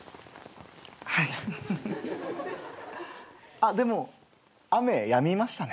あっでも雨やみましたね。